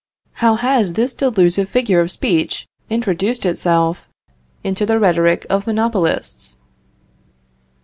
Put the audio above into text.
How has this delusive figure of speech introduced itself into the rhetoric of monopolists?